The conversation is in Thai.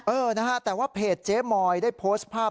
เออนะฮะแต่ว่าเพจเจ๊มอยได้โพสต์ภาพ